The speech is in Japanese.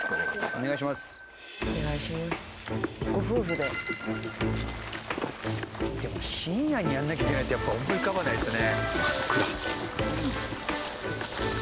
でも深夜にやんなきゃいけないってやっぱ思い浮かばないですね。